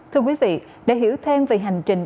thưa quý vị để hiểu thêm về hành trình